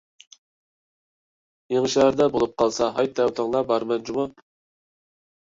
يېڭىشەھەردە بولۇپ قالسا ھايت دەۋىتىڭلار، بارىمەن جۇمۇ.